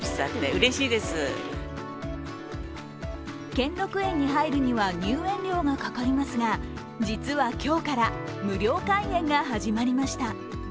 兼六園に入るには入園料がかかりますが、実は今日から無料開園が始まりました。